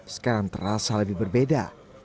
sekarang terasa lebih berbeda